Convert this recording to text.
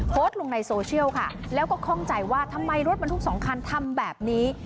โพสต์ลงในโซเชียลค่ะแล้วก็ข้องใจว่าทำไมรถบรรทุกสองคันทำแบบนี้